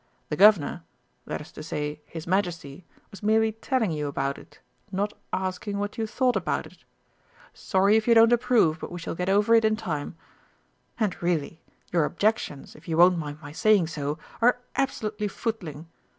The Guv'nor that is to say, his Majesty was merely telling you about it not asking what you thought about it. Sorry if you don't approve, but we shall get over it in time. And really, your objections, if you won't mind my saying so, are absolutely footling.